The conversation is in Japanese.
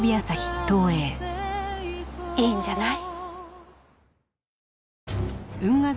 いいんじゃない？